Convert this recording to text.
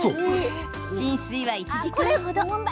浸水は１時間程。